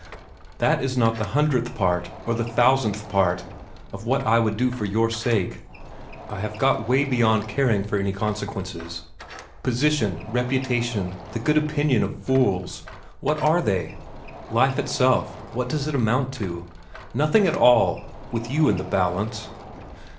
"That is not the hundredth part, or the thousandth part, of what I would do for your sake. I have got way beyond caring for any consequences. Position, reputation, the good opinion of fools what are they? Life itself what does it amount to? Nothing at all with you in the balance!"